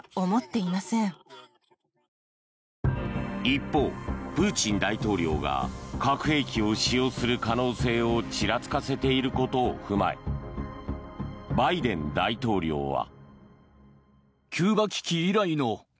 一方、プーチン大統領が核兵器を使用する可能性をちらつかせていることを踏まえバイデン大統領は。